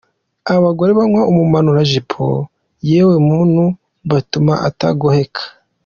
Abagore banywa umumanurajupo yewe muntu batuma atagoheka.